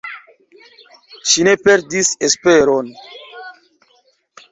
Ŝi ne perdis esperon.